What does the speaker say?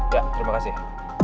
ya terima kasih